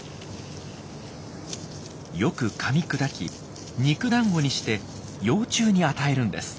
よくかみ砕き肉だんごにして幼虫に与えるんです。